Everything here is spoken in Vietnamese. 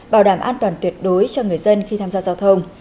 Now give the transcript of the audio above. bảo đảm an toàn tuyệt đối cho người dân khi tham gia giao thông